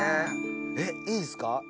えっいいですか？